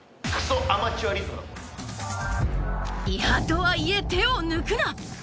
［リハとはいえ手を抜くな！